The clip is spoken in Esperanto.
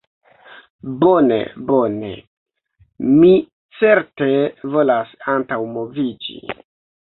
Bone, bone. Mi certe volas antaŭmoviĝi.